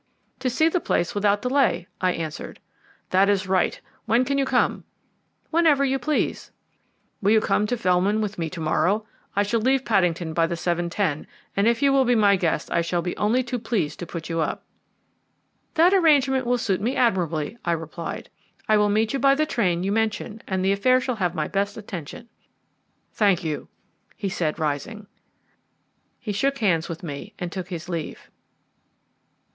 "To see the place without delay," I answered. "That is right; when can you come?" "Whenever you please." "Will you come down to Felwyn with me to morrow? I shall leave Paddington by the 7.10, and if you will be my guest I shall be only too pleased to put you up." "That arrangement will suit me admirably," I replied. "I will meet you by the train you mention, and the affair shall have my best attention." "Thank you," he said, rising. He shook hands with me and took his leave.